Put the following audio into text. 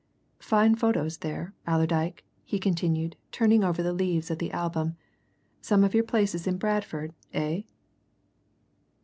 Fine photos there, Allerdyke," he continued, turning over the leaves of the album. "Some of your places in Bradford, eh."